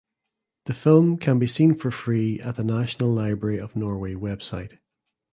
The film can be seen for free at the National Library of Norway website.